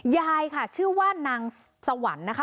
ยายค่ะชื่อว่านางสวรรค์นะคะ